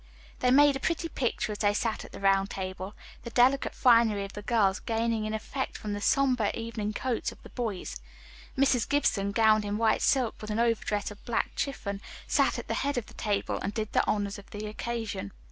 They made a pretty picture as they sat at the round table, the delicate finery of the girls gaining in effect from the sombre evening coats of the boys. Mrs. Gibson, gowned in white silk with an overdress of black chiffon, sat at the head of the table and did the honors of the occasion.